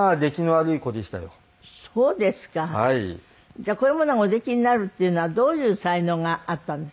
じゃあこういうものがおできになるっていうのはどういう才能があったんです？